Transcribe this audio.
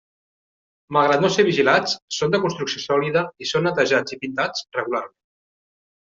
Malgrat no ser vigilats, són de construcció sòlida i són netejats i pintats regularment.